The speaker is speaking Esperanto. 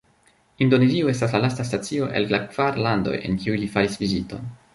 Indonezio estas la lasta stacio el la kvar landoj, en kiuj li faris viziton.